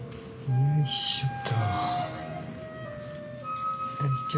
よいしょっと。